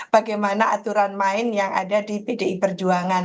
bagaimana aturan main yang ada di pdi perjuangan